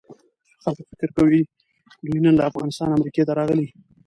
خلک فکر کوي دوی نن له افغانستانه امریکې ته راغلي.